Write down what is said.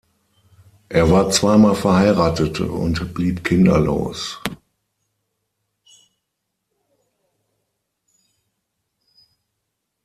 Er war zweimal verheiratet und blieb kinderlos.